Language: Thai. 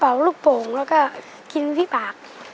ลูกโป่งแล้วก็กินที่ปาก